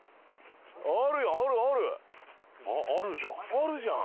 あるじゃん！